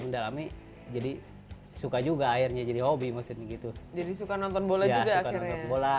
mendalami jadi suka juga airnya jadi hobi mesin begitu jadi suka nonton bola juga akhirnya bola